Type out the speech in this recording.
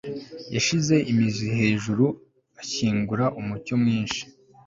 Yashinze imizi hejuru ashyingura umucyo mwinshi